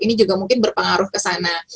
ini juga mungkin berpengaruh ke sana